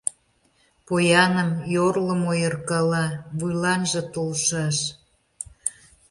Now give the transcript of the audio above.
Пояным, йорлым ойыркала, вуйланже толшаш!